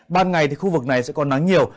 ban ngày thì khu vực này sẽ còn nắng nhiều